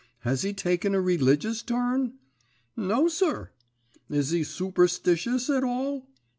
Has he taken a religious turn?' "'No, sir.' "'Is he sooperstitious at all?'